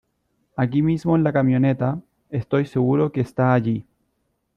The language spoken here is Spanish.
Aquí mismo en la camioneta. Estoy seguro que está allí .